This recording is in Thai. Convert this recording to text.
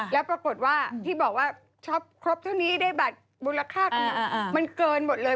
แล้วปรากฏว่าที่บอกว่าช็อปครบเท่านี้ได้บัตรมูลค่ากำลังมันเกินหมดเลย